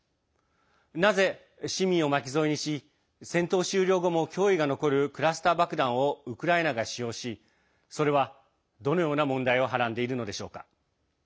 なぜ市民を巻き添えにし戦闘終了後も脅威が残るクラスター爆弾をウクライナが使用しそれは、どのような問題をはらんでいるのでしょうか。